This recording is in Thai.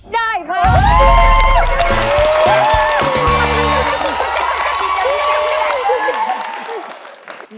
ได้ค่ะโอ้โฮ